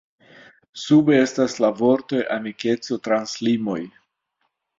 Sube estas la vortoj “Amikeco trans limoj”.